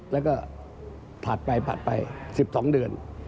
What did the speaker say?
แล้วก็ผ่านไป๑๒เดือน